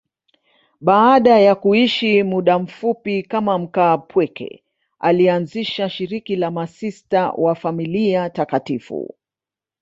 Baada ya kuishi muda mfupi kama mkaapweke, alianzisha shirika la Masista wa Familia Takatifu.